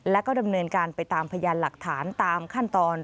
และก็ดำเนินการไปตามพยานหลักฐานตามขั้นตอน